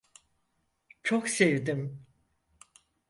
Çok sevdim.